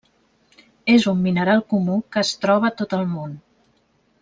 És un mineral comú, que es troba a tot el món.